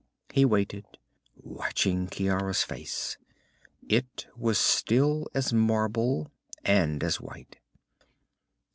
He waited, watching Ciara's face. It was still as marble, and as white.